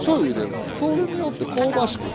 それによって香ばしく